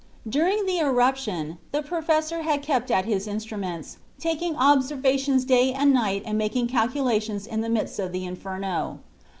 During the eruption the Professor had kept at his instruments, taking observations day and night and making calculations in the midst of the inferno.